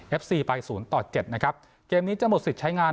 เอฟซีไป๐ต่อ๗นะครับเกมนี้จะหมดสิทธิ์ใช้งาน